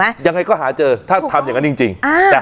ระดมกำลังกันค้นหาตั้งแต่ช่วงบ่ายของเมื่อวานนี้นะ